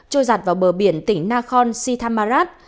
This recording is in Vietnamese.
trôi giặt vào bờ biển tỉnh nakhon sittamarat